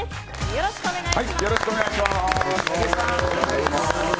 よろしくお願いします。